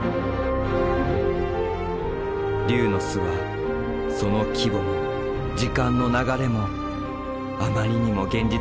龍の巣はその規模も時間の流れもあまりにも現実離れした空間だった。